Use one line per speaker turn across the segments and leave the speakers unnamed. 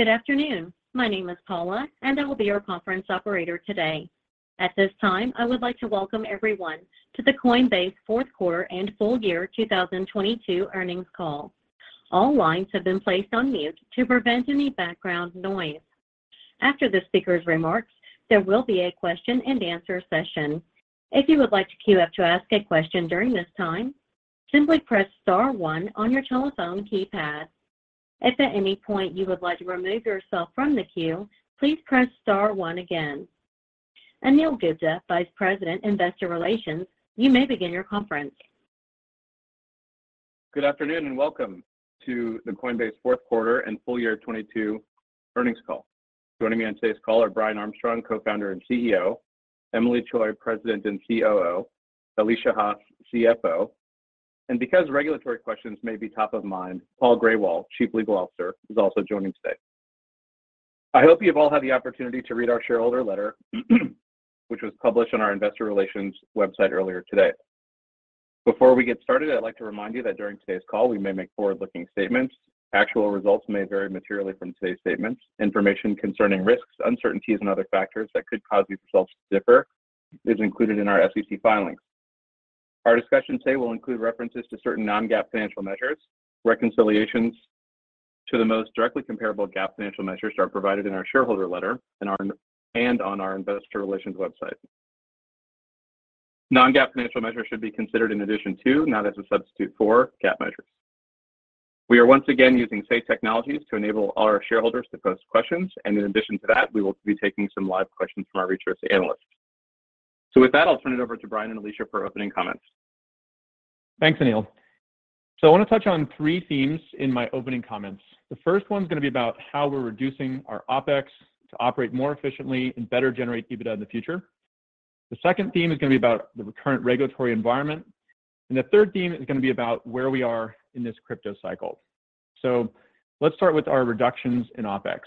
Good afternoon. My name is Paula, and I will be your conference operator today. At this time, I would like to welcome everyone to the Coinbase fourth quarter and full year 2022 earnings call. All lines have been placed on mute to prevent any background noise. After the speaker's remarks, there will be a question-and-answer session. If you would like to queue up to ask a question during this time, simply press star 1 on your telephone keypad. If at any point you would like to remove yourself from the queue, please press star 1 again. Anil Gupta, Vice President, Investor Relations, you may begin your conference.
Good afternoon, and welcome to the Coinbase fourth quarter and full year 2022 earnings call. Joining me on today's call are Brian Armstrong, Co-founder and CEO, Emilie Choi, President and COO, Alesia Haas, CFO. Because regulatory questions may be top of mind, Paul Grewal, Chief Legal Officer, is also joining today. I hope you've all had the opportunity to read our shareholder letter, which was published on our investor relations website earlier today. Before we get started, I'd like to remind you that during today's call, we may make forward-looking statements. Actual results may vary materially from today's statements. Information concerning risks, uncertainties, and other factors that could cause these results to differ is included in our SEC filings. Our discussion today will include references to certain non-GAAP financial measures. Reconciliations to the most directly comparable GAAP financial measures are provided in our shareholder letter and on our investor relations website. Non-GAAP financial measures should be considered in addition to, not as a substitute for, GAAP measures. We are once again using Say Technologies to enable our shareholders to pose questions, and in addition to that, we will be taking some live questions from our research analysts. With that, I'll turn it over to Brian and Alesia for opening comments.
Thanks, Anil. I wanna touch on three themes in my opening comments. The first one's gonna be about how we're reducing our OpEx to operate more efficiently and better generate EBITDA in the future. The second theme is gonna be about the current regulatory environment. The third theme is gonna be about where we are in this crypto cycle. Let's start with our reductions in OpEx.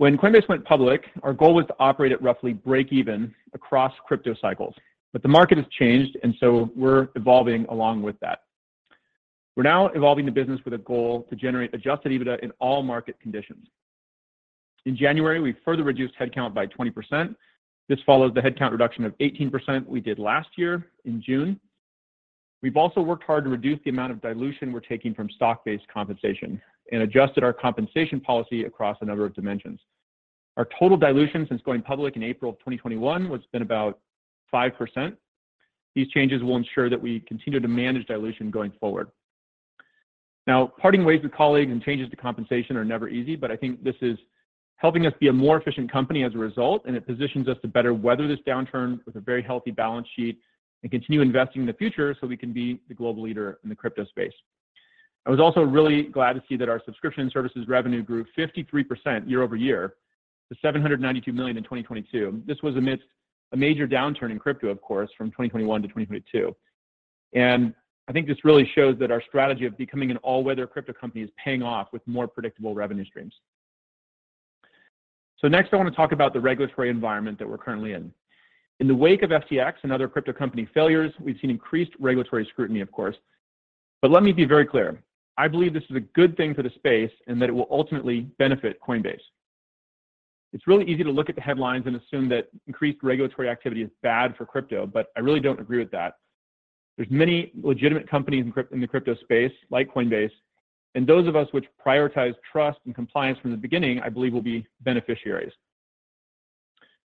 When Coinbase went public, our goal was to operate at roughly break even across crypto cycles. The market has changed, we're evolving along with that. We're now evolving the business with a goal to generate adjusted EBITDA in all market conditions. In January, we further reduced headcount by 20%. This follows the headcount reduction of 18% we did last year in June. We've also worked hard to reduce the amount of dilution we're taking from stock-based compensation and adjusted our compensation policy across a number of dimensions. Our total dilution since going public in April of 2021 has been about 5%. These changes will ensure that we continue to manage dilution going forward. Parting ways with colleagues and changes to compensation are never easy, but I think this is helping us be a more efficient company as a result, and it positions us to better weather this downturn with a very healthy balance sheet and continue investing in the future so we can be the global leader in the crypto space. I was also really glad to see that our subscription services revenue grew 53% year-over-year to $792 million in 2022. This was amidst a major downturn in crypto, of course, from 2021-2022. I think this really shows that our strategy of becoming an all-weather crypto company is paying off with more predictable revenue streams. Next I wanna talk about the regulatory environment that we're currently in. In the wake of FTX and other crypto company failures, we've seen increased regulatory scrutiny, of course. Let me be very clear, I believe this is a good thing for the space and that it will ultimately benefit Coinbase. It's really easy to look at the headlines and assume that increased regulatory activity is bad for crypto, but I really don't agree with that. There's many legitimate companies in the crypto space, like Coinbase, and those of us which prioritize trust and compliance from the beginning, I believe will be beneficiaries.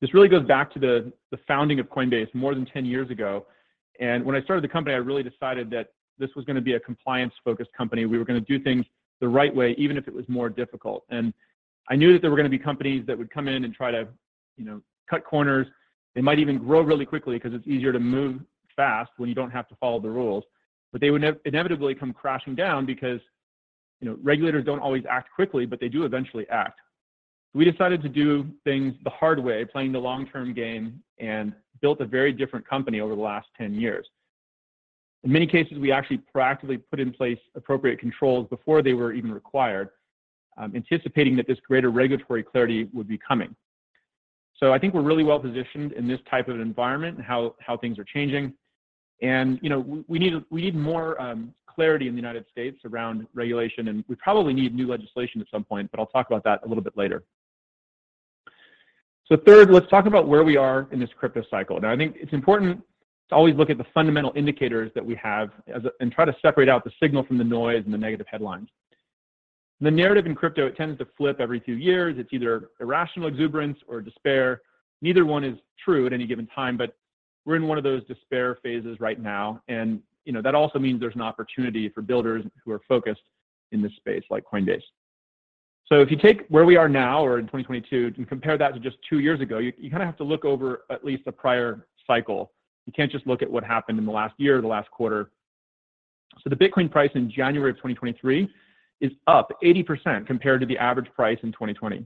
This really goes back to the founding of Coinbase more than 10 years ago. When I started the company, I really decided that this was gonna be a compliance-focused company. We were gonna do things the right way, even if it was more difficult. I knew that there were gonna be companies that would come in and try to, you know, cut corners. They might even grow really quickly because it's easier to move fast when you don't have to follow the rules. They would inevitably come crashing down because, you know, regulators don't always act quickly, but they do eventually act. We decided to do things the hard way, playing the long-term game, and built a very different company over the last 10 years. In many cases, we actually proactively put in place appropriate controls before they were even required, anticipating that this greater regulatory clarity would be coming. I think we're really well-positioned in this type of environment and how things are changing. You know, we need more clarity in the United States around regulation, and we probably need new legislation at some point, but I'll talk about that a little bit later. Third, let's talk about where we are in this crypto cycle. Now, I think it's important to always look at the fundamental indicators that we have and try to separate out the signal from the noise and the negative headlines. The narrative in crypto, it tends to flip every two years. It's either irrational exuberance or despair. Neither one is true at any given time, but we're in one of those despair phases right now. You know, that also means there's an opportunity for builders who are focused in this space, like Coinbase. If you take where we are now or in 2022 and compare that to just 2 years ago, you kinda have to look over at least a prior cycle. You can't just look at what happened in the last year or the last quarter. The Bitcoin price in January of 2023 is up 80% compared to the average price in 2020.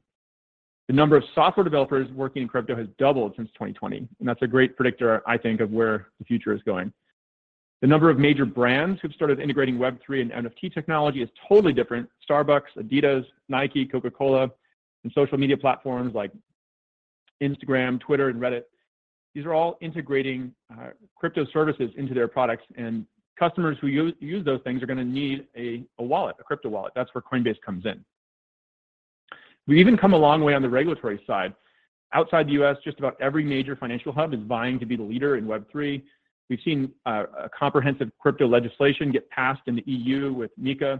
The number of software developers working in crypto has doubled since 2020, and that's a great predictor, I think, of where the future is going. The number of major brands who've started integrating Web3 and NFT technology is totally different. Starbucks, Adidas, Nike, Coca-Cola, and social media platforms like Instagram, Twitter, and Reddit, these are all integrating crypto services into their products, and customers who use those things are gonna need a wallet, a crypto wallet. That's where Coinbase comes in. We've even come a long way on the regulatory side. Outside the U.S., just about every major financial hub is vying to be the leader in Web3. We've seen a comprehensive crypto legislation get passed in the EU with MiCA.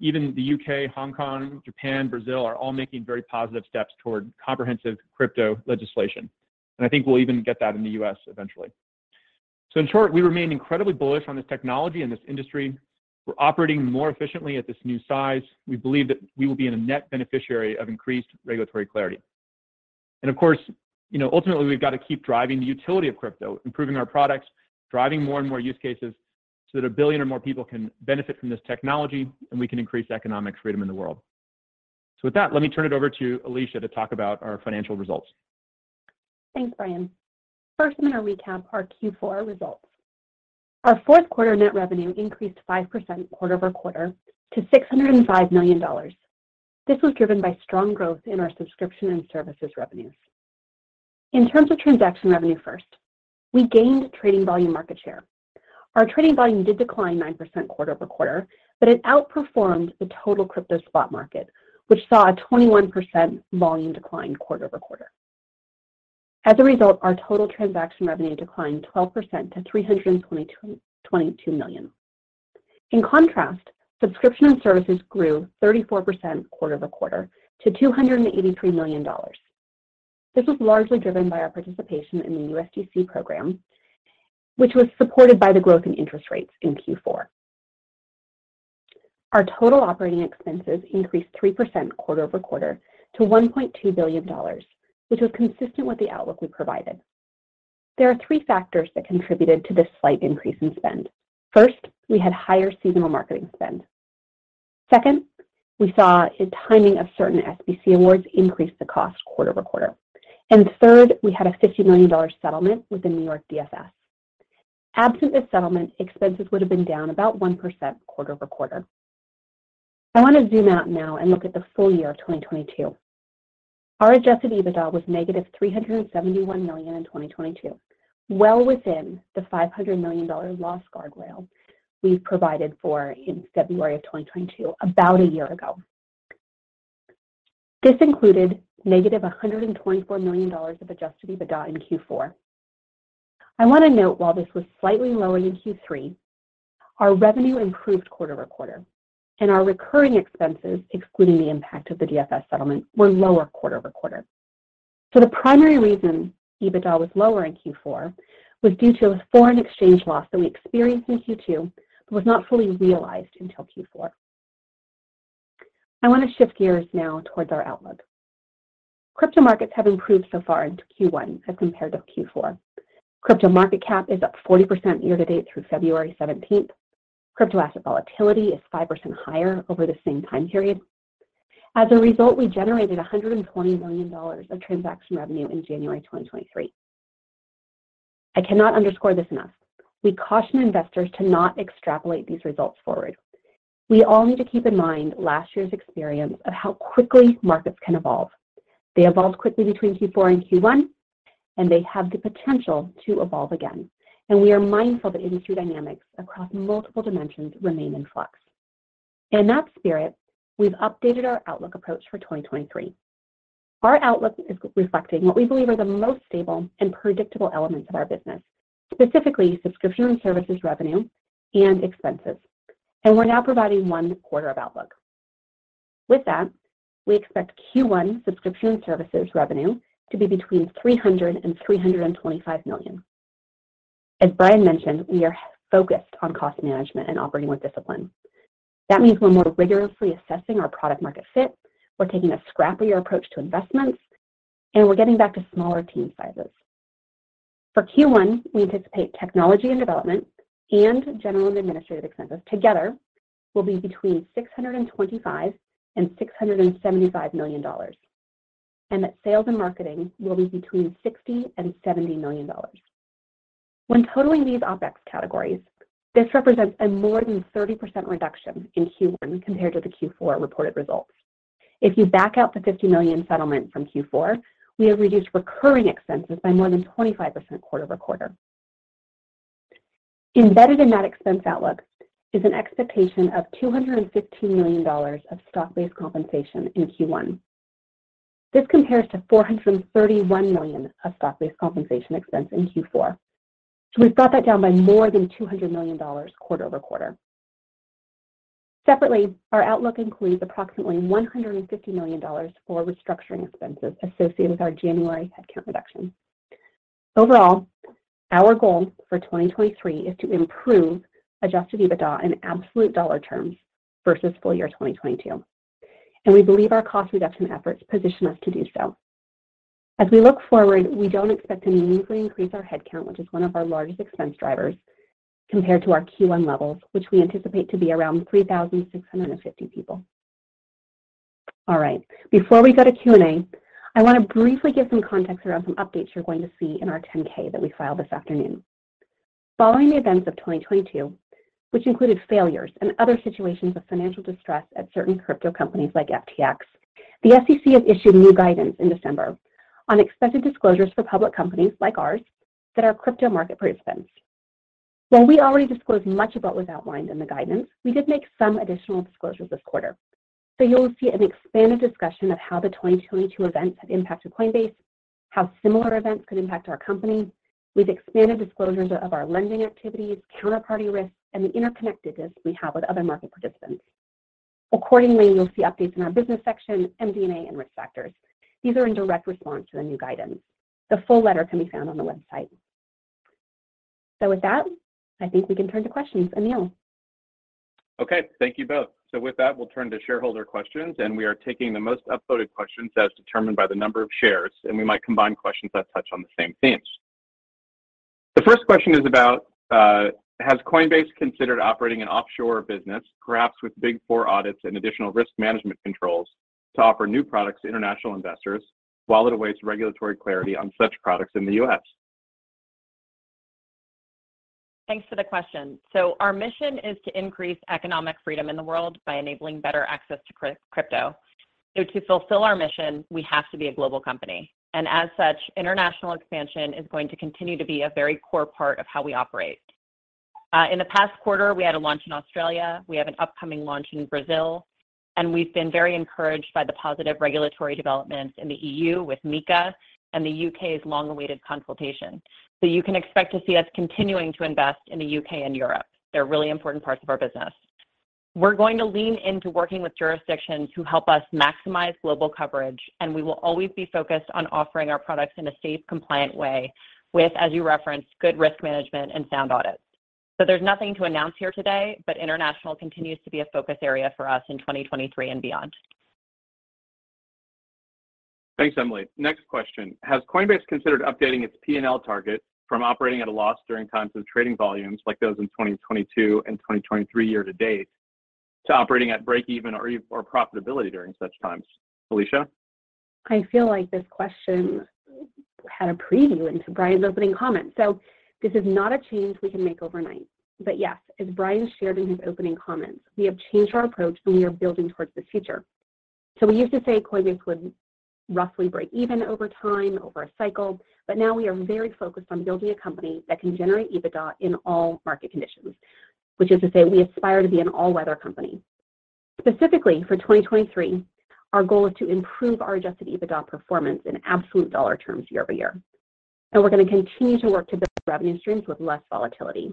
Even the U.K., Hong Kong, Japan, Brazil are all making very positive steps toward comprehensive crypto legislation, and I think we'll even get that in the U.S. eventually. In short, we remain incredibly bullish on this technology and this industry. We're operating more efficiently at this new size. We believe that we will be a net beneficiary of increased regulatory clarity. Of course, you know, ultimately, we've gotta keep driving the utility of crypto, improving our products, driving more and more use cases so that 1 billion or more people can benefit from this technology, and we can increase economic freedom in the world. With that, let me turn it over to Alesia to talk about our financial results.
Thanks, Brian. First, I'm gonna recap our Q4 results. Our fourth quarter net revenue increased 5% quarter-over-quarter to $605 million. This was driven by strong growth in our subscription and services revenues. In terms of transaction revenue first, we gained trading volume market share. Our trading volume did decline 9% quarter-over-quarter, but it outperformed the total crypto spot market, which saw a 21% volume decline quarter-over-quarter. As a result, our total transaction revenue declined 12% to $322 million. In contrast, subscription and services grew 34% quarter-over-quarter to $283 million. This was largely driven by our participation in the USDC program, which was supported by the growth in interest rates in Q4. Our total operating expenses increased 3% quarter-over-quarter to $1.2 billion, which was consistent with the outlook we provided. There are three factors that contributed to this slight increase in spend. First, we had higher seasonal marketing spend. Second, we saw a timing of certain SBC awards increase the cost quarter-over-quarter. Third, we had a $50 million settlement with the New York DFS. Absent this settlement, expenses would have been down about 1% quarter-over-quarter. I wanna zoom out now and look at the full year of 2022. Our adjusted EBITDA was negative $371 million in 2022, well within the $500 million loss guardrail we've provided for in February of 2022, about a year ago. This included negative $124 million of adjusted EBITDA in Q4. I wanna note while this was slightly lower in Q3, our revenue improved quarter-over-quarter, and our recurring expenses, excluding the impact of the DFS settlement, were lower quarter-over-quarter. The primary reason EBITDA was lower in Q4 was due to a foreign exchange loss that we experienced in Q2 but was not fully realized until Q4. I wanna shift gears now towards our outlook. Crypto markets have improved so far into Q1 as compared with Q4. Crypto market cap is up 40% year-to-date through February 17th. Crypto asset volatility is 5% higher over the same time period. As a result, we generated $120 million of transaction revenue in January 2023. I cannot underscore this enough. We caution investors to not extrapolate these results forward. We all need to keep in mind last year's experience of how quickly markets can evolve. They evolved quickly between Q4 and Q1, they have the potential to evolve again. We are mindful that industry dynamics across multiple dimensions remain in flux. In that spirit, we've updated our outlook approach for 2023. Our outlook is reflecting what we believe are the most stable and predictable elements of our business, specifically subscription and services revenue and expenses, and we're now providing 1 quarter of outlook. With that, we expect Q1 subscription and services revenue to be between $300 million and $325 million. As Brian mentioned, we are focused on cost management and operating with discipline. That means we're more rigorously assessing our product market fit, we're taking a scrappier approach to investments, and we're getting back to smaller team sizes. For Q1, we anticipate technology and development and general and administrative expenses together will be between $625 million and $675 million, and that sales and marketing will be between $60 million and $70 million. When totaling these OpEx categories, this represents a more than 30% reduction in Q1 compared to the Q4 reported results. If you back out the $50 million settlement from Q4, we have reduced recurring expenses by more than 25% quarter-over-quarter. Embedded in that expense outlook is an expectation of $250 million of stock-based compensation in Q1. This compares to $431 million of stock-based compensation expense in Q4. We've brought that down by more than $200 million quarter-over-quarter. Separately, our outlook includes approximately $150 million for restructuring expenses associated with our January headcount reduction. Overall, our goal for 2023 is to improve adjusted EBITDA in absolute dollar terms versus full year 2022, and we believe our cost reduction efforts position us to do so. As we look forward, we don't expect to meaningfully increase our head count, which is one of our largest expense drivers, compared to our Q1 levels, which we anticipate to be around 3,650 people. All right, before we go to Q&A, I wanna briefly give some context around some updates you're going to see in our 10-K that we filed this afternoon. Following the events of 2022, which included failures and other situations of financial distress at certain crypto companies like FTX, the SEC has issued new guidance in December on expected disclosures for public companies like ours that are crypto market participants. While we already disclosed much of what was outlined in the guidance, we did make some additional disclosures this quarter. You'll see an expanded discussion of how the 2022 events have impacted Coinbase, how similar events could impact our company. We've expanded disclosures of our lending activities, counterparty risks, and the interconnectedness we have with other market participants. Accordingly, you'll see updates in our business section, MD&A, and risk factors. These are in direct response to the new guidance. The full letter can be found on the website. With that, I think we can turn to questions. Anil.
Okay. Thank you both. With that, we'll turn to shareholder questions, and we are taking the most upvoted questions as determined by the number of shares, and we might combine questions that touch on the same themes. The first question is about, has Coinbase considered operating an offshore business, perhaps with big four audits and additional risk management controls to offer new products to international investors while it awaits regulatory clarity on such products in the U.S.?
Thanks for the question. Our mission is to increase economic freedom in the world by enabling better access to crypto. To fulfill our mission, we have to be a global company, and as such, international expansion is going to continue to be a very core part of how we operate. In the past quarter, we had a launch in Australia. We have an upcoming launch in Brazil, and we've been very encouraged by the positive regulatory developments in the EU with MiCA and the UK's long-awaited consultation. You can expect to see us continuing to invest in the UK and Europe. They're really important parts of our business. We're going to lean into working with jurisdictions who help us maximize global coverage, and we will always be focused on offering our products in a safe, compliant way with, as you referenced, good risk management and sound audits. There's nothing to announce here today, but international continues to be a focus area for us in 2023 and beyond.
Thanks, Emilie. Next question. Has Coinbase considered updating its P&L target from operating at a loss during times of trading volumes like those in 2022 and 2023 year to date to operating at break even or profitability during such times? Alesia?
I feel like this question had a preview into Brian's opening comments. This is not a change we can make overnight. Yes, as Brian shared in his opening comments, we have changed our approach, and we are building towards the future. We used to say Coinbase would roughly break even over time, over a cycle, but now we are very focused on building a company that can generate EBITDA in all market conditions, which is to say we aspire to be an all-weather company. Specifically, for 2023, our goal is to improve our adjusted EBITDA performance in absolute dollar terms year-over-year, and we're gonna continue to work to build revenue streams with less volatility.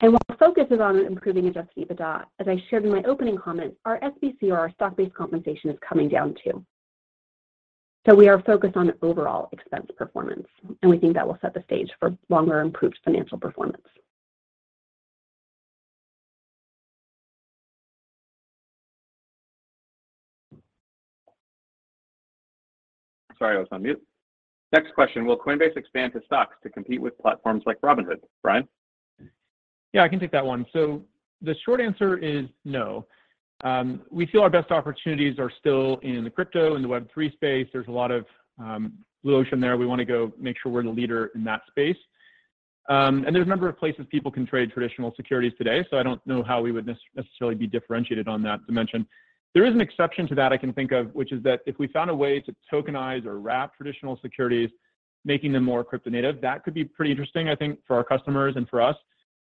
While focus is on improving adjusted EBITDA, as I shared in my opening comment, our SBC or our stock-based compensation is coming down too. We are focused on overall expense performance, and we think that will set the stage for longer improved financial performance.
Sorry, I was on mute. Next question, will Coinbase expand to stocks to compete with platforms like Robinhood? Brian?
Yeah, I can take that one. The short answer is no. We feel our best opportunities are still in the crypto, in the Web3 space. There's a lot of blue ocean there. We wanna go make sure we're the leader in that space. There's a number of places people can trade traditional securities today, so I don't know how we would necessarily be differentiated on that dimension. There is an exception to that I can think of, which is that if we found a way to tokenize or wrap traditional securities, making them more crypto native, that could be pretty interesting, I think, for our customers and for us.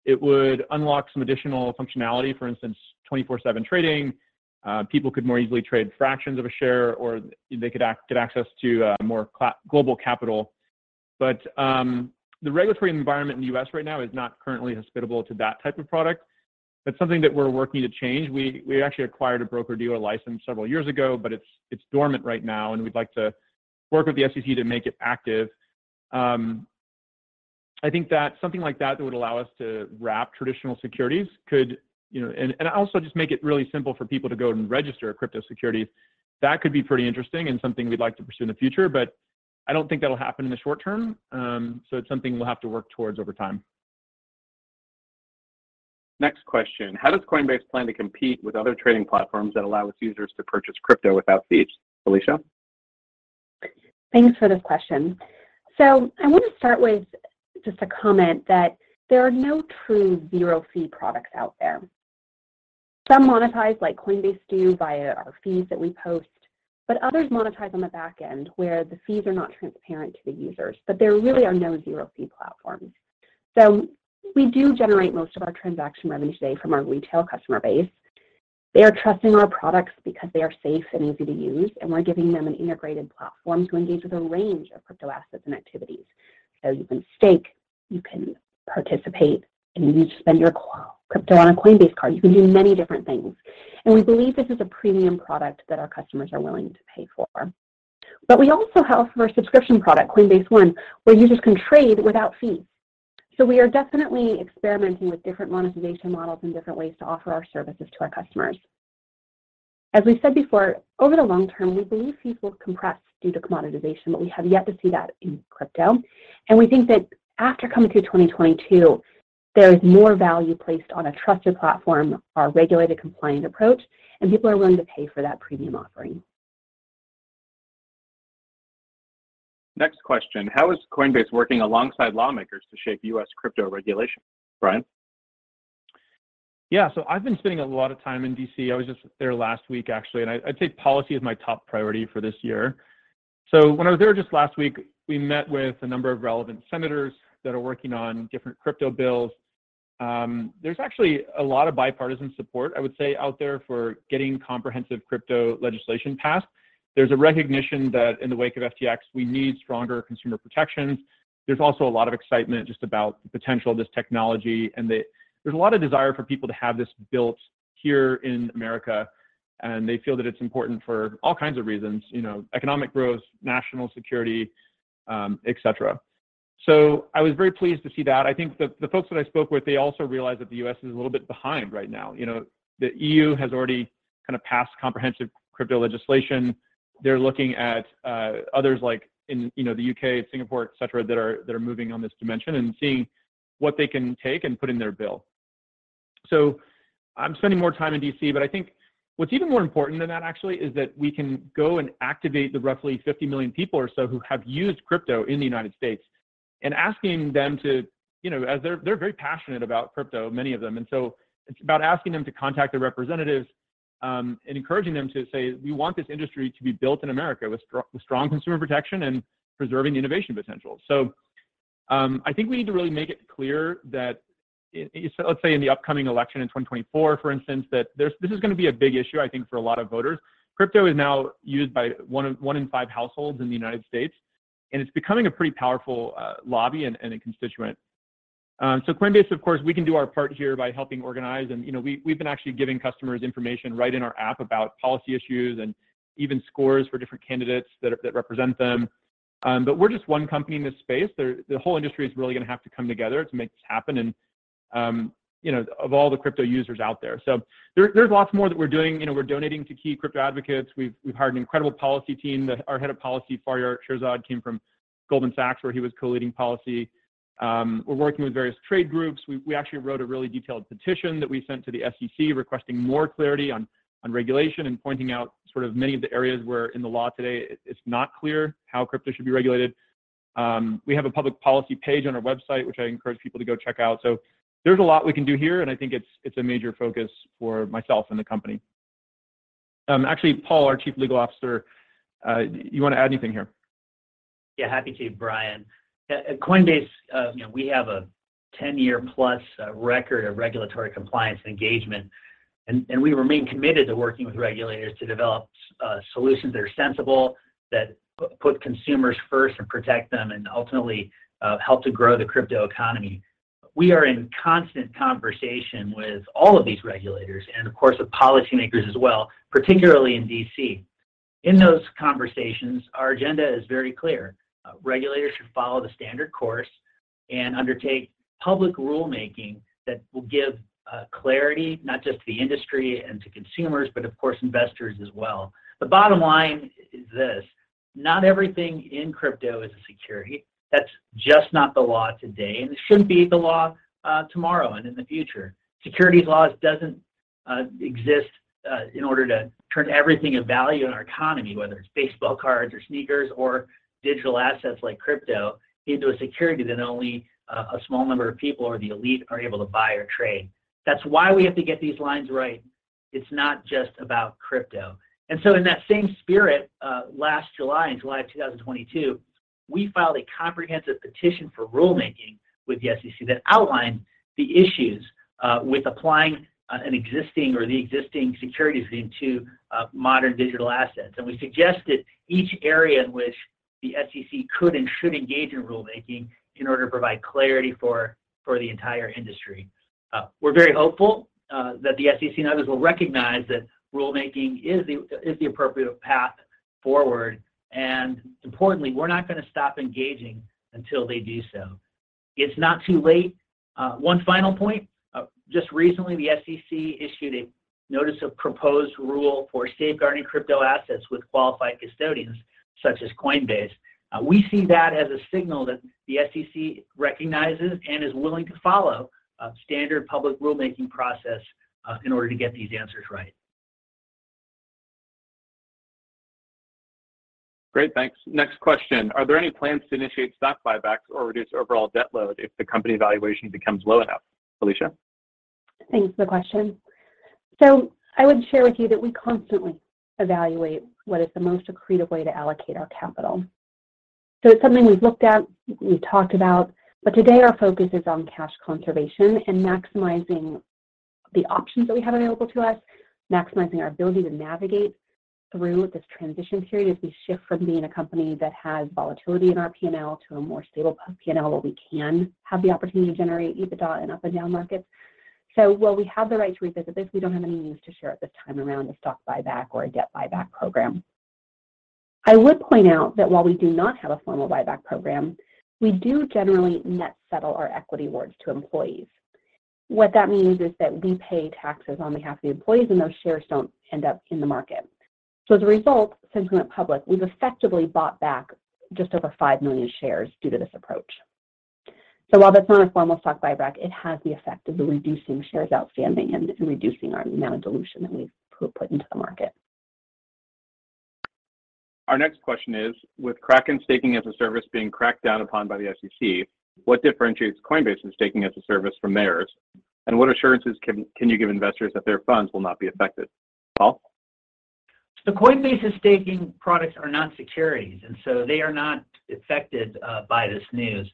It would unlock some additional functionality. For instance, 24/7 trading. People could more easily trade fractions of a share, or they could get access to more global capital. The regulatory environment in the U.S. right now is not currently hospitable to that type of product. That's something that we're working to change. We actually acquired a broker-dealer license several years ago, but it's dormant right now, and we'd like to work with the SEC to make it active. I think that something like that would allow us to wrap traditional securities could, you know, and also just make it really simple for people to go and register a crypto security, that could be pretty interesting and something we'd like to pursue in the future. I don't think that'll happen in the short term, so it's something we'll have to work towards over time.
Next question, how does Coinbase plan to compete with other trading platforms that allow its users to purchase crypto without fees? Alesia?
Thanks for this question. I wanna start with just a comment that there are no true zero-fee products out there. Some monetize, like Coinbase do, via our fees that we post, but others monetize on the back end, where the fees are not transparent to the users. There really are no zero-fee platforms. We do generate most of our transaction revenue today from our retail customer base. They are trusting our products because they are safe and easy to use, and we're giving them an integrated platform to engage with a range of crypto assets and activities. You can stake, you can participate, and you can spend your crypto on a Coinbase Card. You can do many different things, and we believe this is a premium product that our customers are willing to pay for. We also have our subscription product, Coinbase One, where users can trade without fees. We are definitely experimenting with different monetization models and different ways to offer our services to our customers. As we said before, over the long term, we believe fees will compress due to commoditization, but we have yet to see that in crypto. We think that after coming through 2022, there is more value placed on a trusted platform, our regulated compliant approach, and people are willing to pay for that premium offering.
Next question. How is Coinbase working alongside lawmakers to shape US crypto regulation? Brian.
Yeah. I've been spending a lot of time in D.C. I was just there last week actually. I'd say policy is my top priority for this year. When I was there just last week, we met with a number of relevant senators that are working on different crypto bills. There's actually a lot of bipartisan support, I would say, out there for getting comprehensive crypto legislation passed. There's a recognition that in the wake of FTX, we need stronger consumer protections. There's also a lot of excitement just about the potential of this technology. There's a lot of desire for people to have this built here in America, and they feel that it's important for all kinds of reasons, you know, economic growth, national security, et cetera. I was very pleased to see that. I think the folks that I spoke with, they also realize that the U.S. is a little bit behind right now. You know, the EU has already kinda passed comprehensive crypto legislation. They're looking at others like in, you know, the U.K., Singapore, et cetera, that are moving on this dimension and seeing what they can take and put in their bill. I'm spending more time in D.C., but I think what's even more important than that actually is that we can go and activate the roughly 50 million people or so who have used crypto in the United States and asking them to, you know, as they're very passionate about crypto, many of them. It's about asking them to contact their representatives and encouraging them to say, "We want this industry to be built in America with strong consumer protection and preserving the innovation potential." I think we need to really make it clear that let's say in the upcoming election in 2024, for instance, this is going to be a big issue, I think, for a lot of voters. Crypto is now used by one in five households in the United States, and it's becoming a pretty powerful lobby and a constituent. Coinbase, of course, we can do our part here by helping organize. You know, we've been actually giving customers information right in our app about policy issues and even scores for different candidates that represent them. We're just one company in this space. The whole industry is really gonna have to come together to make this happen and, you know, of all the crypto users out there. There's lots more that we're doing. You know, we're donating to key crypto advocates. We've hired an incredible policy team that our head of policy, Faryar Shirzad, came from Goldman Sachs, where he was co-leading policy. We're working with various trade groups. We actually wrote a really detailed petition that we sent to the SEC requesting more clarity on regulation and pointing out sort of many of the areas where in the law today it's not clear how crypto should be regulated. We have a public policy page on our website, which I encourage people to go check out. There's a lot we can do here, and I think it's a major focus for myself and the company. actually, Paul, our Chief Legal Officer, you wanna add anything here?
Yeah. Happy to, Brian. At Coinbase, you know, we have a 10-year-plus record of regulatory compliance and engagement, and we remain committed to working with regulators to develop solutions that are sensible, that put consumers first and protect them and ultimately help to grow the crypto economy. We are in constant conversation with all of these regulators and, of course, with policymakers as well, particularly in D.C. In those conversations, our agenda is very clear. Regulators should follow the standard course and undertake public rulemaking that will give clarity not just to the industry and to consumers, but of course, investors as well. The bottom line is this: not everything in crypto is a security. That's just not the law today, and it shouldn't be the law tomorrow and in the future. Securities laws doesn't exist in order to turn everything of value in our economy, whether it's baseball cards or sneakers or digital assets like crypto, into a security that only a small number of people or the elite are able to buy or trade. That's why we have to get these lines right. It's not just about crypto. In that same spirit, last July, in July of 2022, we filed a comprehensive petition for rulemaking with the SEC that outlined the issues with applying an existing or the existing securities into modern digital assets. We suggested each area in which the SEC could and should engage in rulemaking in order to provide clarity for the entire industry. We're very hopeful that the SEC and others will recognize that rulemaking is the appropriate path forward. Importantly, we're not gonna stop engaging until they do so. It's not too late. One final point. Just recently, the SEC issued a notice of proposed rule for safeguarding crypto assets with qualified custodians such as Coinbase. We see that as a signal that the SEC recognizes and is willing to follow a standard public rulemaking process in order to get these answers right.
Great. Thanks. Next question. Are there any plans to initiate stock buybacks or reduce overall debt load if the company valuation becomes low enough? Alesia?
Thanks for the question. I would share with you that we constantly evaluate what is the most accretive way to allocate our capital. It's something we've looked at, we've talked about, but today our focus is on cash conservation and maximizing the options that we have available to us, maximizing our ability to navigate through this transition period as we shift from being a company that has volatility in our P&L to a more stable P&L where we can have the opportunity to generate EBITDA in up and down markets. While we have the right to revisit this, we don't have any news to share at this time around a stock buyback or a debt buyback program. I would point out that while we do not have a formal buyback program, we do generally net settle our equity awards to employees. What that means is that we pay taxes on behalf of the employees, and those shares don't end up in the market. As a result, since we went public, we've effectively bought back just over 5 million shares due to this approach
While that's not a formal stock buyback, it has the effect of reducing shares outstanding and reducing our amount of dilution that we've put into the market.
Our next question is, with Kraken staking as a service being cracked down upon by the SEC, what differentiates Coinbase's staking as a service from theirs? What assurances can you give investors that their funds will not be affected? Paul?
Coinbase's staking products are not securities, and so they are not affected by this news.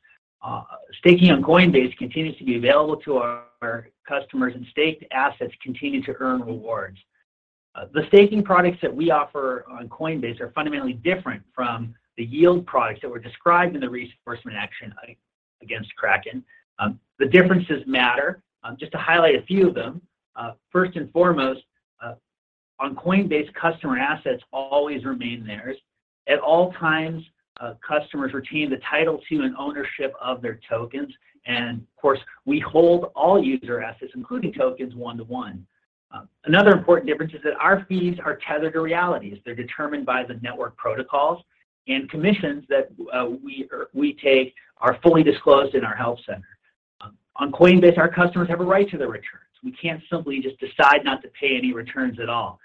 Staking on Coinbase continues to be available to our customers, and staked assets continue to earn rewards. The staking products that we offer on Coinbase are fundamentally different from the yield products that were described in the recent enforcement action against Kraken. The differences matter. Just to highlight a few of them, first and foremost, on Coinbase, customer assets always remain theirs. At all times, customers retain the title to and ownership of their tokens. Of course, we hold all user assets, including tokens, 1 to 1. Another important difference is that our fees are tethered to realities. They're determined by the network protocols, and commissions that we take are fully disclosed in our help center. On Coinbase, our customers have a right to their returns. We can't simply just decide not to pay any returns at all.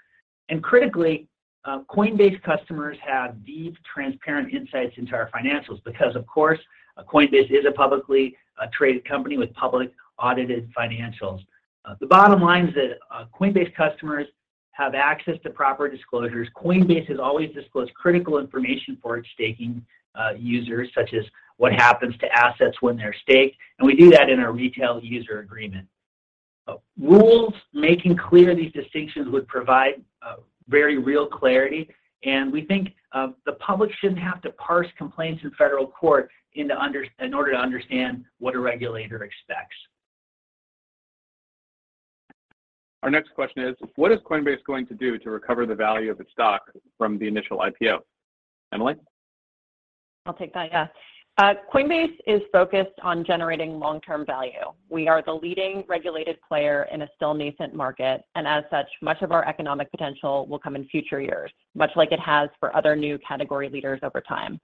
Critically, Coinbase customers have deep, transparent insights into our financials because, of course, Coinbase is a publicly traded company with public audited financials. The bottom line is that Coinbase customers have access to proper disclosures. Coinbase has always disclosed critical information for its staking users, such as what happens to assets when they're staked, and we do that in our retail user agreement. Rules making clear these distinctions would provide very real clarity, and we think the public shouldn't have to parse complaints in federal court in order to understand what a regulator expects.
Our next question is, what is Coinbase going to do to recover the value of its stock from the initial IPO? Emilie?
I'll take that. Yeah. Coinbase is focused on generating long-term value. We are the leading regulated player in a still nascent market. As such, much of our economic potential will come in future years, much like it has for other new category leaders over time.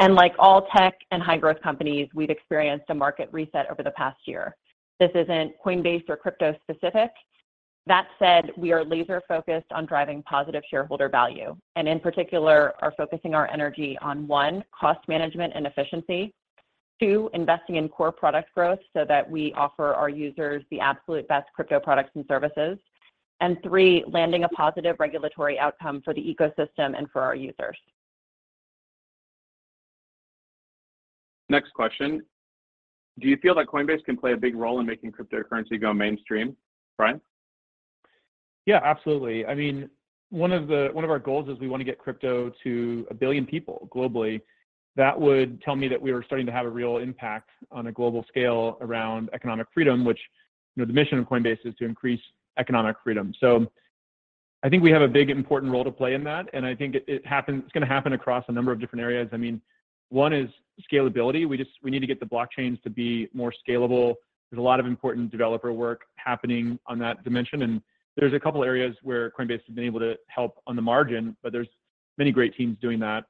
Like all tech and high-growth companies, we've experienced a market reset over the past year. This isn't Coinbase or crypto specific. That said, we are laser-focused on driving positive shareholder value, and in particular, are focusing our energy on, one, cost management and efficiency; two, investing in core product growth so that we offer our users the absolute best crypto products and services; and three, landing a positive regulatory outcome for the ecosystem and for our users.
Next question. Do you feel that Coinbase can play a big role in making cryptocurrency go mainstream? Brian?
Yeah, absolutely. I mean, one of our goals is we wanna get crypto to 1 billion people globally. That would tell me that we were starting to have a real impact on a global scale around economic freedom, which, you know, the mission of Coinbase is to increase economic freedom. I think we have a big, important role to play in that, and I think it's gonna happen across a number of different areas. I mean, one is scalability. We just, we need to get the blockchains to be more scalable. There's a lot of important developer work happening on that dimension, and there's a couple areas where Coinbase has been able to help on the margin, but there's many great teams doing that.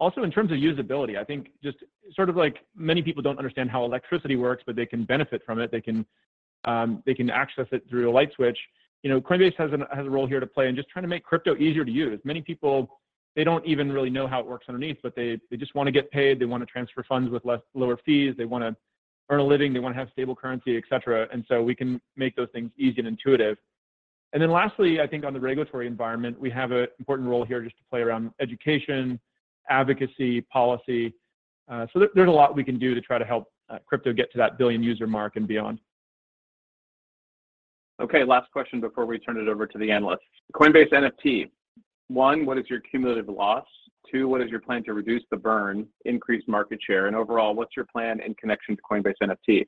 Also in terms of usability, I think just sort of like many people don't understand how electricity works, but they can benefit from it. They can access it through a light switch. You know, Coinbase has a role here to play in just trying to make crypto easier to use. Many people, they don't even really know how it works underneath, but they just wanna get paid, they wanna transfer funds with less, lower fees, they wanna earn a living, they wanna have stable currency, et cetera. Then lastly, I think on the regulatory environment, we have an important role here just to play around education, advocacy, policy. There's a lot we can do to try to help crypto get to that billion-user mark and beyond.
Okay, last question before we turn it over to the analysts. Coinbase NFT. One, what is your cumulative loss? Two, what is your plan to reduce the burn, increase market share? Overall, what's your plan in connection to Coinbase NFT?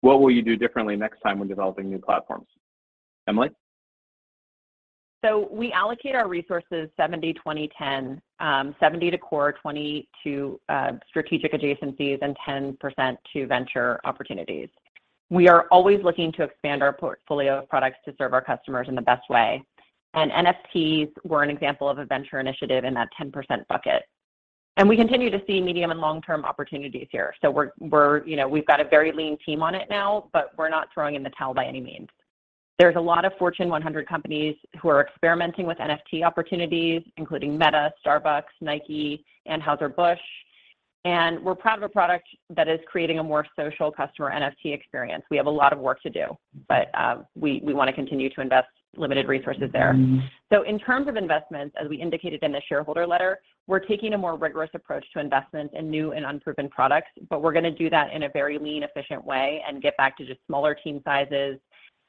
What will you do differently next time when developing new platforms? Emilie?
We allocate our resources 70/20/10. 70 to core, 20 to strategic adjacencies, and 10% to venture opportunities. We are always looking to expand our portfolio of products to serve our customers in the best way. NFTs were an example of a venture initiative in that 10% bucket. We continue to see medium and long-term opportunities here, so we're, you know, we've got a very lean team on it now, but we're not throwing in the towel by any means. There's a lot of Fortune 100 companies who are experimenting with NFT opportunities, including Meta, Starbucks, Nike, Anheuser-Busch, and we're proud of a product that is creating a more social customer NFT experience. We have a lot of work to do, but we wanna continue to invest limited resources there. In terms of investments, as we indicated in the shareholder letter, we're taking a more rigorous approach to investment in new and unproven products, but we're gonna do that in a very lean, efficient way and get back to just smaller team sizes,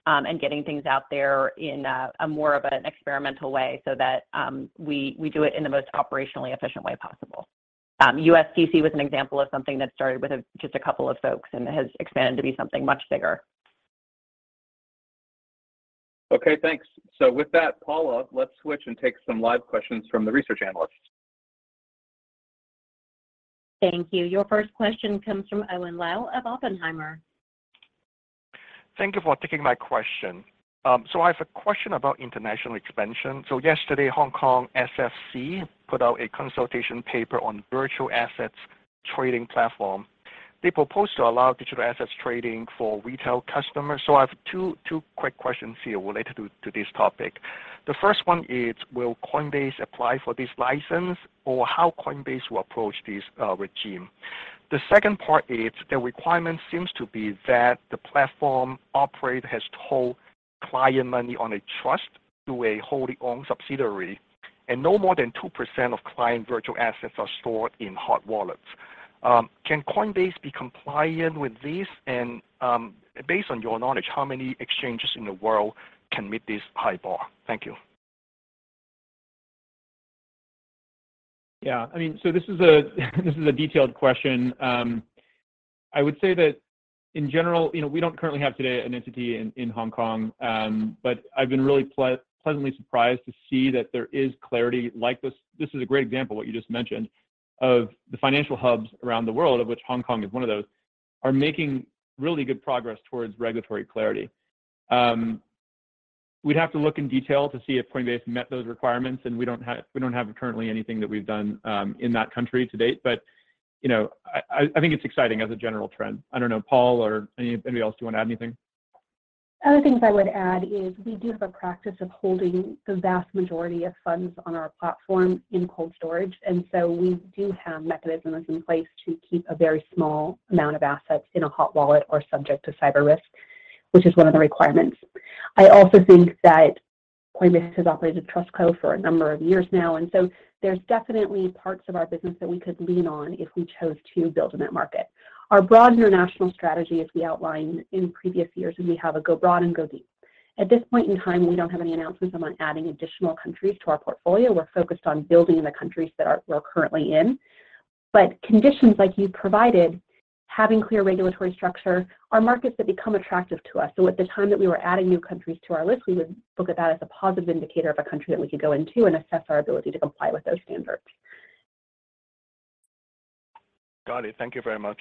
and getting things out there in a more of an experimental way so that we do it in the most operationally efficient way possible. USDC was an example of something that started with just a couple of folks and has expanded to be something much bigger.
Okay, thanks. With that, Paula, let's switch and take some live questions from the research analysts.
Thank you. Your first question comes from Owen Lau of Oppenheimer.
Thank you for taking my question. I have a question about international expansion. Yesterday, Hong Kong SFC put out a consultation paper on virtual assets trading platform. They proposed to allow digital assets trading for retail customers. I have two quick questions here related to this topic. The first one is, will Coinbase apply for this license or how Coinbase will approach this regime? The second part is the requirement seems to be that the platform operator has to hold client money on a trust through a wholly-owned subsidiary, and no more than 2% of client virtual assets are stored in hot wallets. Can Coinbase be compliant with this? Based on your knowledge, how many exchanges in the world can meet this high bar? Thank you.
Yeah. I mean, this is a, this is a detailed question. I would say that in general, you know, we don't currently have today an entity in Hong Kong. I've been really pleasantly surprised to see that there is clarity like this. This is a great example, what you just mentioned, of the financial hubs around the world, of which Hong Kong is one of those, are making really good progress towards regulatory clarity. We'd have to look in detail to see if Coinbase met those requirements, and we don't have currently anything that we've done in that country to date. You know, I, I think it's exciting as a general trend. I don't know, Paul or anybody else, do you want to add anything?
Other things I would add is we do have a practice of holding the vast majority of funds on our platform in cold storage. We do have mechanisms in place to keep a very small amount of assets in a hot wallet or subject to cyber risk, which is one of the requirements. I also think that Coinbase has operated Trust Co for a number of years now. There's definitely parts of our business that we could lean on if we chose to build in that market. Our broad international strategy, as we outlined in previous years. We have a go broad and go deep. At this point in time, we don't have any announcements among adding additional countries to our portfolio. We're focused on building in the countries that we're currently in. Conditions like you provided, having clear regulatory structure, are markets that become attractive to us. At the time that we were adding new countries to our list, we would look at that as a positive indicator of a country that we could go into and assess our ability to comply with those standards.
Got it. Thank you very much.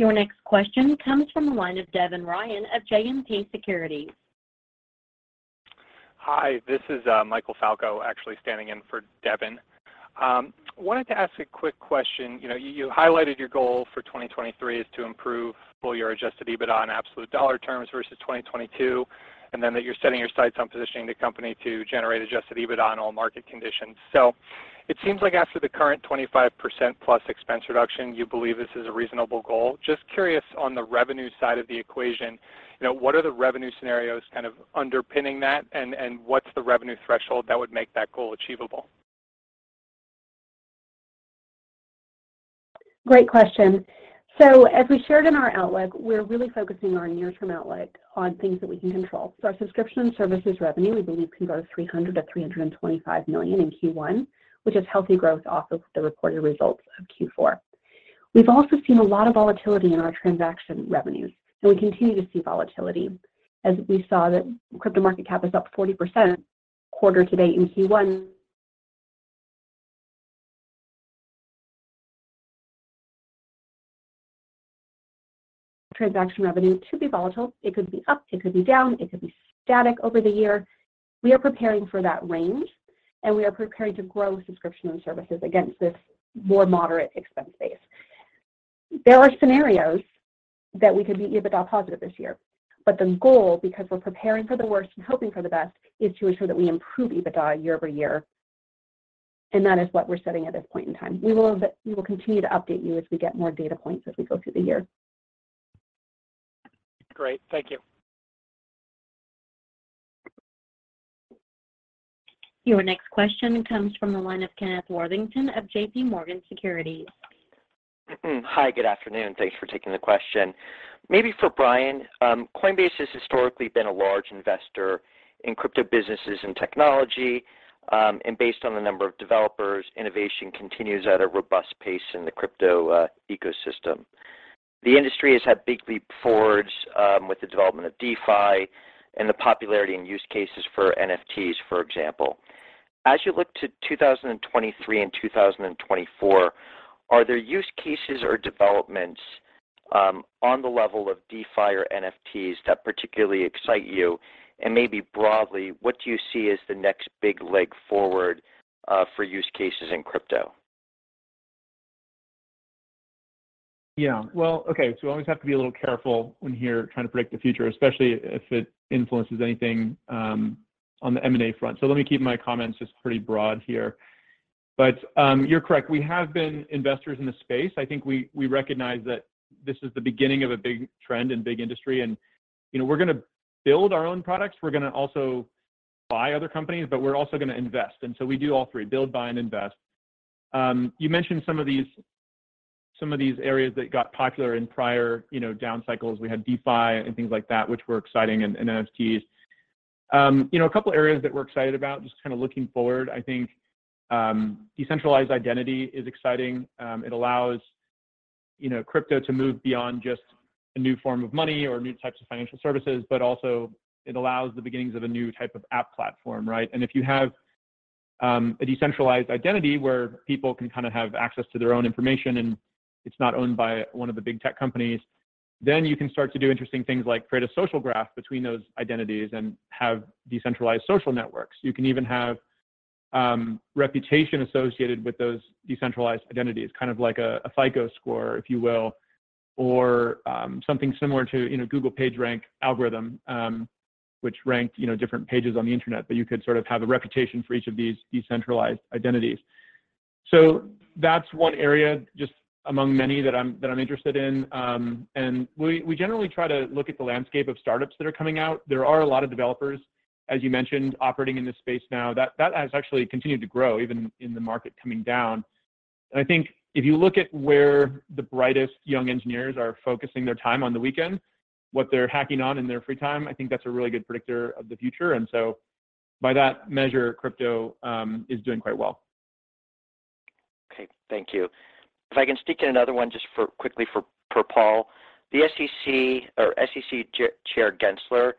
Your next question comes from the line of Devin Ryan of JMP Securities.
Hi, this is Michael Falvo actually standing in for Devin. Wanted to ask a quick question. You know, you highlighted your goal for 2023 is to improve full year adjusted EBITDA in absolute dollar terms versus 2022, and then that you're setting your sights on positioning the company to generate adjusted EBITDA on all market conditions. It seems like after the current 25% plus expense reduction, you believe this is a reasonable goal. Just curious on the revenue side of the equation, you know, what are the revenue scenarios kind of underpinning that, and what's the revenue threshold that would make that goal achievable?
Great question. As we shared in our outlook, we're really focusing our near-term outlook on things that we can control. Our subscription services revenue, we believe can grow $300 million-$325 million in Q1, which is healthy growth off of the reported results of Q4. We've also seen a lot of volatility in our transaction revenues, and we continue to see volatility. As we saw that crypto market cap is up 40% quarter to date in Q1. Transaction revenue to be volatile. It could be up, it could be down, it could be static over the year. We are preparing for that range, and we are preparing to grow subscription and services against this more moderate expense base. There are scenarios that we could be EBITDA positive this year. The goal, because we're preparing for the worst and hoping for the best, is to ensure that we improve EBITDA year-over-year. That is what we're setting at this point in time. We will continue to update you as we get more data points as we go through the year.
Great. Thank you.
Your next question comes from the line of Kenneth Worthington of JPMorgan Securities.
Hi, good afternoon. Thanks for taking the question. Maybe for Brian. Coinbase has historically been a large investor in crypto businesses and technology, and based on the number of developers, innovation continues at a robust pace in the crypto ecosystem. The industry has had big leap forwards with the development of DeFi and the popularity and use cases for NFTs, for example. As you look to 2023 and 2024, are there use cases or developments on the level of DeFi or NFTs that particularly excite you? Maybe broadly, what do you see as the next big leg forward for use cases in crypto?
Well, okay. We always have to be a little careful when we're trying to predict the future, especially if it influences anything on the M&A front. Let me keep my comments just pretty broad here. You're correct. We have been investors in the space. I think we recognize that this is the beginning of a big trend and big industry and, you know, we're gonna build our own products. We're gonna also buy other companies, but we're also gonna invest. We do all three: build, buy, and invest. You mentioned some of these areas that got popular in prior, you know, down cycles. We had DeFi and things like that, which were exciting, and NFTs. You know, a couple areas that we're excited about, just kinda looking forward, I think, decentralized identity is exciting. It allows, you know, crypto to move beyond just a new form of money or new types of financial services, but also it allows the beginnings of a new type of app platform, right? If you have a decentralized identity where people can kind of have access to their own information, and it's not owned by one of the big tech companies, then you can start to do interesting things like create a social graph between those identities and have decentralized social networks. You can even have reputation associated with those decentralized identities, kind of like a FICO score, if you will, or something similar to, you know, Google PageRank algorithm, which ranked, you know, different pages on the internet. You could sort of have a reputation for each of these decentralized identities. That's one area just among many that I'm interested in. We generally try to look at the landscape of startups that are coming out. There are a lot of developers, as you mentioned, operating in this space now. That has actually continued to grow even in the market coming down. I think if you look at where the brightest young engineers are focusing their time on the weekend, what they're hacking on in their free time, I think that's a really good predictor of the future. By that measure, crypto is doing quite well.
Okay, thank you. If I can sneak in another one just quickly for Paul. The SEC or SEC Chair Gensler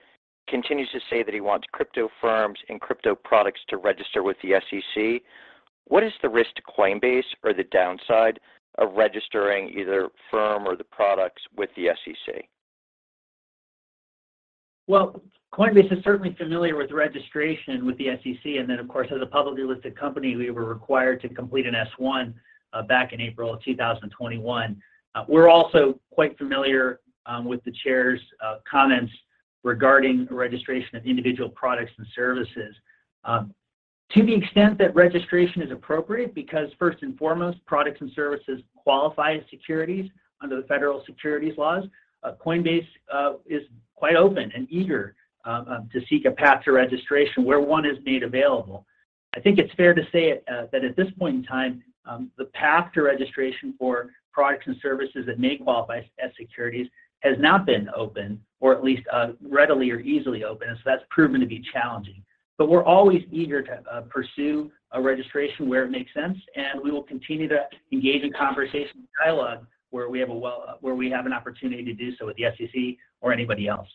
continues to say that he wants crypto firms and crypto products to register with the SEC. What is the risk to Coinbase or the downside of registering either firm or the products with the SEC?
Coinbase is certainly familiar with registration with the SEC, and then of course, as a publicly listed company, we were required to complete an S-1 back in April of 2021. We're also quite familiar with the chair's comments regarding registration of individual products and services. To the extent that registration is appropriate because first and foremost, products and services qualify as securities under the federal securities laws. Coinbase is quite open and eager to seek a path to registration where one is made available. I think it's fair to say that at this point in time, the path to registration for products and services that may qualify as securities has not been open or at least readily or easily open. That's proven to be challenging. We're always eager to pursue a registration where it makes sense, and we will continue to engage in conversation dialogue where we have an opportunity to do so with the SEC or anybody else.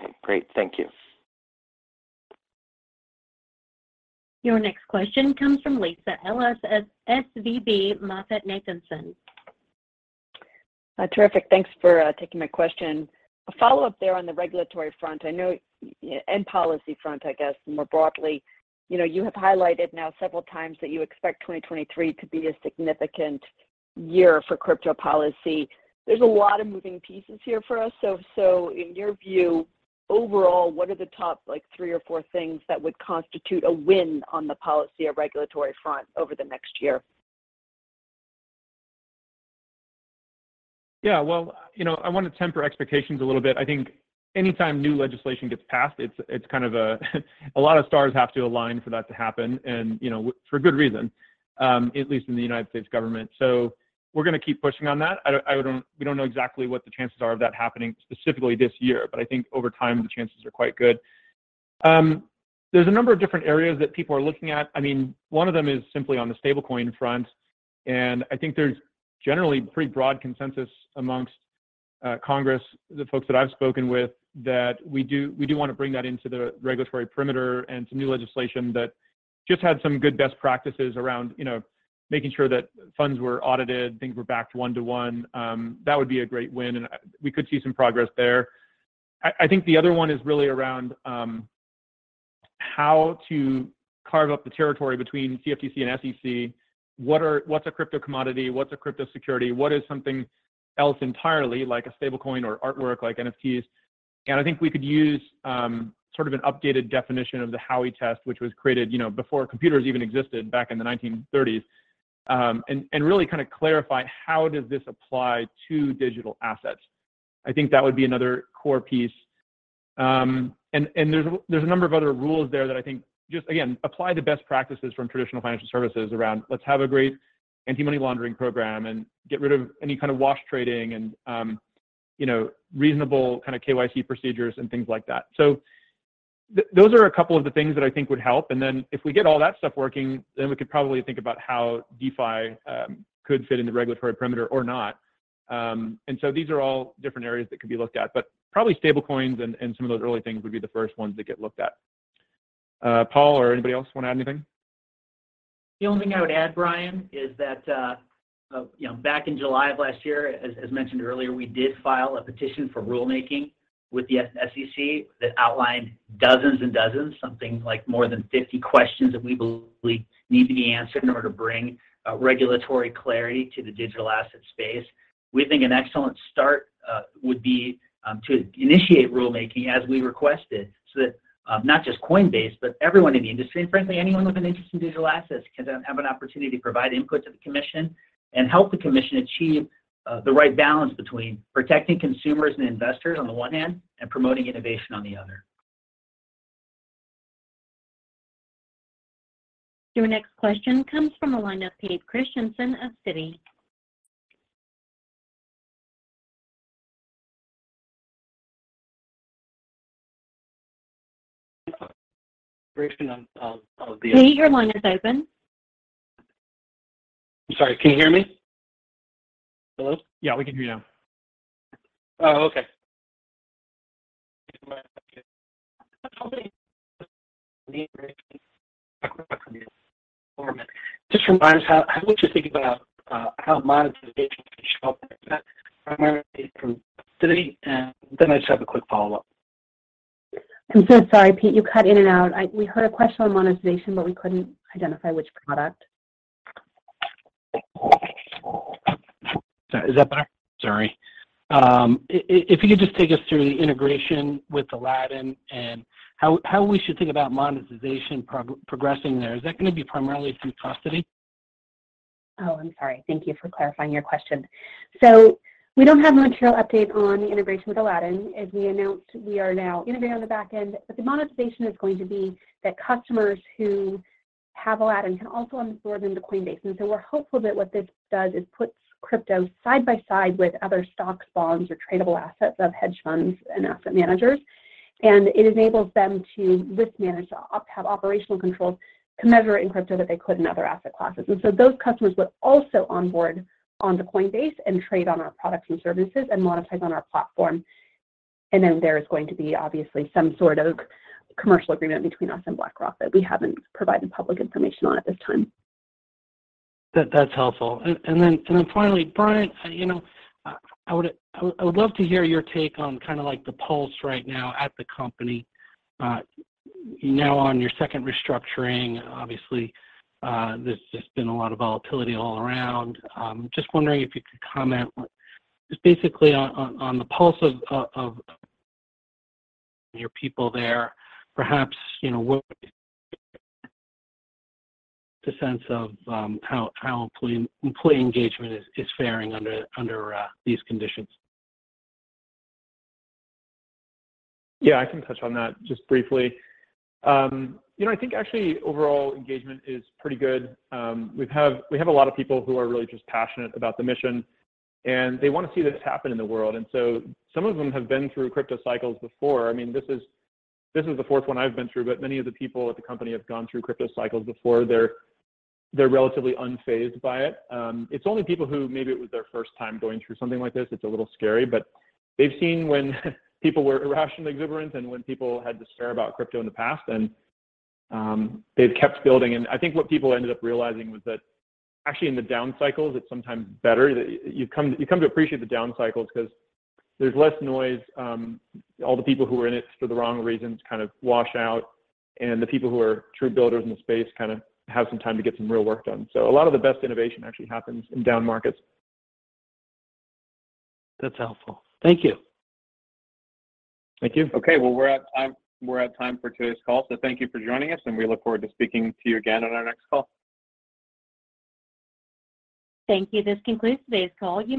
Okay, great. Thank you.
Your next question comes from Lisa Ellis of SVB MoffettNathanson.
Terrific. Thanks for taking my question. A follow-up there on the regulatory front, I know and policy front, I guess, more broadly. You know, you have highlighted now several times that you expect 2023 to be a significant year for crypto policy. There's a lot of moving pieces here for us. In your view, overall, what are the top like three or four things that would constitute a win on the policy or regulatory front over the next year?
Yeah, well, you know, I wanna temper expectations a little bit. I think anytime new legislation gets passed, it's kind of a lot of stars have to align for that to happen. You know, for good reason, at least in the United States Government. We're gonna keep pushing on that. We don't know exactly what the chances are of that happening specifically this year, but I think over time the chances are quite good. There's a number of different areas that people are looking at. I mean, one of them is simply on the stable coin front, I think there's generally pretty broad consensus amongst Congress, the folks that I've spoken with, that we do wanna bring that into the regulatory perimeter and to new legislation that just had some good best practices around, you know, making sure that funds were audited, things were backed one to one. That would be a great win, we could see some progress there. I think the other one is really around how to carve up the territory between CFTC and SEC. What's a crypto commodity? What's a crypto security? What is something else entirely like a stable coin or artwork like NFTs? I think we could use, sort of an updated definition of the Howey Test, which was created, you know, before computers even existed back in the 1930s, and really kind of clarify how does this apply to digital assets. I think that would be another core piece. There's a number of other rules there that I think just again, apply the best practices from traditional financial services around let's have a great anti-money laundering program and get rid of any kind of wash trading and, you know, reasonable kind of KYC procedures and things like that. Those are a couple of the things that I think would help. If we get all that stuff working, then we could probably think about how DeFi could fit in the regulatory perimeter or not. These are all different areas that could be looked at. Probably stablecoins and some of those early things would be the first ones that get looked at. Paul or anybody else wanna add anything?
The only thing I would add, Brian, is that, you know, back in July of last year, as mentioned earlier, we did file a petition for rulemaking with the SEC that outlined dozens and dozens, something like more than 50 questions that we believe need to be answered in order to bring regulatory clarity to the digital asset space. We think an excellent start would be to initiate rulemaking as we requested so that not just Coinbase, but everyone in the industry, and frankly, anyone with an interest in digital assets can then have an opportunity to provide input to the Commission and help the Commission achieve the right balance between protecting consumers and investors on the one hand and promoting innovation on the other.
Your next question comes from the line of Peter Christiansen of Citi.
Peter Christiansen, I'll.
Peter, your line is open.
I'm sorry, can you hear me? Hello?
Yeah, we can hear you now.
Oh, okay. Just remind us how would you think about how monetization can show up like that, primarily from today, and then I just have a quick follow-up?
I'm so sorry, Pete. You cut in and out. We heard a question on monetization, but we couldn't identify which product.
Is that better? Sorry. If you could just take us through the integration with Aladdin and how we should think about monetization progressing there, is that gonna be primarily through custody?
Thank you for clarifying your question. We don't have a material update on the integration with Aladdin. As we announced, we are now integrated on the back end, but the monetization is going to be that customers who have Aladdin can also onboard into Coinbase. We're hopeful that what this does is puts crypto side by side with other stocks, bonds or tradable assets of hedge funds and asset managers. It enables them to risk manage, to have operational controls, to measure it in crypto that they could in other asset classes. Those customers would also onboard onto Coinbase and trade on our products and services and monetize on our platform. There is going to be obviously some sort of commercial agreement between us and BlackRock that we haven't provided public information on at this time.
That's helpful. Finally, Brian, you know, I would love to hear your take on kind of like the pulse right now at the company. You know, on your second restructuring, obviously, there's just been a lot of volatility all around. Just wondering if you could comment just basically on the pulse of your people there. Perhaps, you know, what the sense of how employee engagement is faring under these conditions.
Yeah, I can touch on that just briefly. you know, I think actually overall engagement is pretty good. we have a lot of people who are really just passionate about the mission, and they wanna see this happen in the world. Some of them have been through crypto cycles before. I mean, this is the fourth one I've been through, but many of the people at the company have gone through crypto cycles before. They're relatively unfazed by it. It's only people who maybe it was their first time going through something like this, it's a little scary, but they've seen when people were irrationally exuberant and when people had to stare about crypto in the past and, they've kept building. I think what people ended up realizing was that actually in the down cycles it's sometimes better. You come to appreciate the down cycles because there's less noise. All the people who were in it for the wrong reasons kind of wash out, and the people who are true builders in the space kinda have some time to get some real work done. A lot of the best innovation actually happens in down markets.
That's helpful. Thank you.
Thank you.
Okay. Well, we're at time for today's call. Thank you for joining us. We look forward to speaking to you again on our next call.
Thank you. This concludes today's call. You may